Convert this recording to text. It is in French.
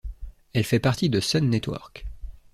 Elle fait partie de Sun Network.